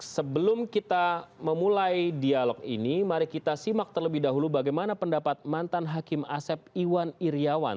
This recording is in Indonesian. sebelum kita memulai dialog ini mari kita simak terlebih dahulu bagaimana pendapat mantan hakim asep iwan iryawan